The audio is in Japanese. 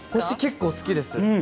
星、結構好きです。